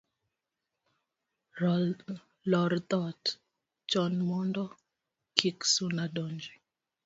Lor dhoot chon mondo kik suna donji